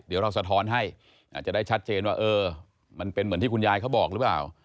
เดี๋ยวเราสะท้อนให้อาจจะได้ชัดเจนว่าเออมันเป็นเหมือนที่คุณยายเขาบอกหรือเปล่า